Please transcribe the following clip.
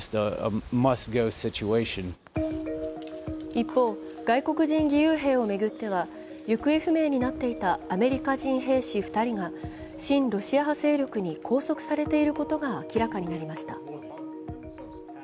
一方、外国人義勇兵を巡っては、行方不明になっていたアメリカ人兵士２人が親ロシア派勢力に拘束されていることが明らかになりました。